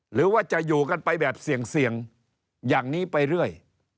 หรือว่าจะอยู่กันไปแบบเสี่ยงอย่างนี้ไปเรื่อย